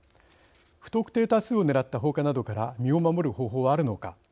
不特定多数を狙った放火などから身を守る方法はあるのか。